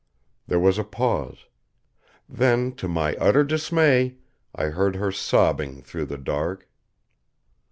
There was a pause. Then, to my utter dismay, I heard her sobbing through the dark.